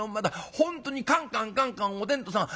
本当にカンカンカンカンおてんとさん